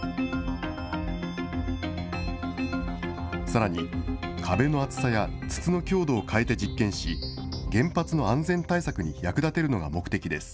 さらに、壁の厚さや筒の強度を変えて実験し、原発の安全対策に役立てるのが目的です。